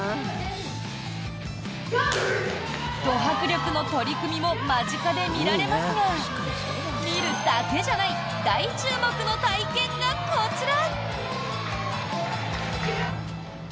ド迫力の取組も間近で見られますが見るだけじゃない大注目の体験がこちら！